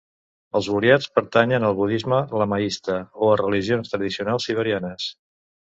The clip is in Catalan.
Els buriats pertanyen al budisme lamaista o a religions tradicionals siberianes.